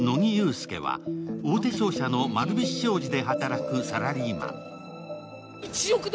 助は、大手商社の丸菱商事で働くサラリーマン。